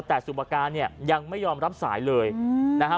แต่สุปการเนี่ยยังไม่ยอมรับสายเลยนะฮะ